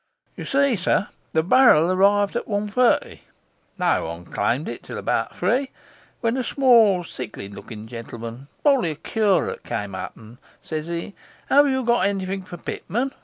'You see, sir, the barrel arrived at one thirty. No one claimed it till about three, when a small, sickly looking gentleman (probably a curate) came up, and sez he, "Have you got anything for Pitman?"